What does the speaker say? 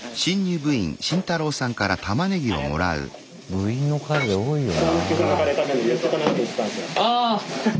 部員の数多いよな。